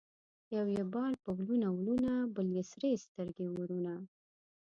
یو یې بال په ولونه ولونه ـ بل یې سرې سترګې اورونه